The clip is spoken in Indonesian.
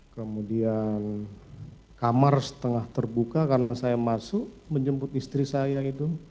kemudian kamar setengah terbuka karena saya masuk menjemput istri saya itu